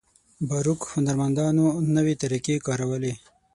باروک هنرمندانو نوې طریقې کارولې.